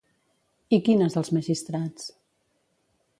I quines els magistrats?